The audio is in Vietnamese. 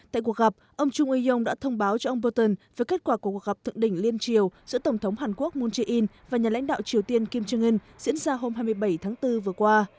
tại cuộc gặp ông chung eong đã thông báo cho ông bolton về kết quả của cuộc gặp thượng đỉnh liên triều giữa tổng thống hàn quốc moon jae in và nhà lãnh đạo triều tiên kim jong un diễn ra hôm hai mươi bảy tháng bốn vừa qua